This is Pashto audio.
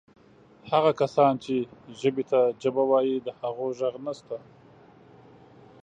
هغه کسان چې ژبې ته جبه وایي د هغو ږغ هم نسته.